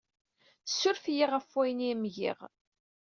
Ssuref-iyi ɣef wayen ay am-giɣ.